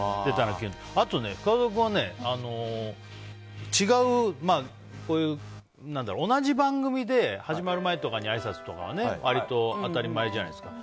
あと深澤君は同じ番組で始まる前とかにあいさつとかは割と当たり前じゃないですか。